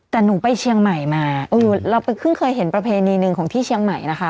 แต่หนูไปเชียงใหม่มาเราไปเพิ่งเคยเห็นประเพณีหนึ่งของที่เชียงใหม่นะคะ